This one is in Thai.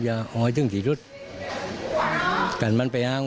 เพราะตัวให้พระเจ้ามันตายมาก